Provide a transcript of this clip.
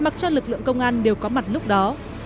mặc cho lực lượng công an đều có mặt lúc đó